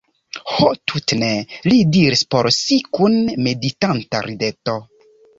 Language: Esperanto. Ho tute ne, li diris por si kun meditanta rideto.